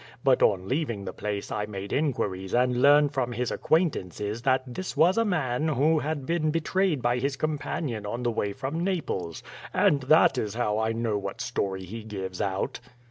But on leaving the place I made in quires and learned from his acquaintances that this was a man who had been betrayed by his companion on the way from Naples. And that is how I know what story he gives out."